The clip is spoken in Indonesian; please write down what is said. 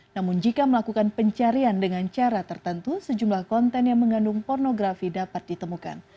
namun jika melakukan pencarian dengan cara tertentu sejumlah konten yang mengandung pornografi dapat ditemukan